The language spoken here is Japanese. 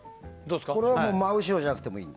これは真後ろじゃなくてもいい？